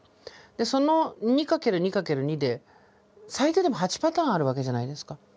その２×２×２で最低でも８パターンあるわけじゃないですか。